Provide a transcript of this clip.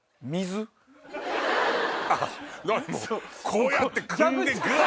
こうやってくんでグワ！